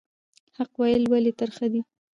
حق ویل ولې ترخه دي؟